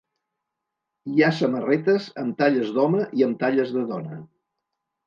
Hi ha samarretes amb talles d’home i amb talles de dona.